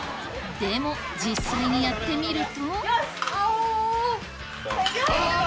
でも実際にやってみると・あぁ！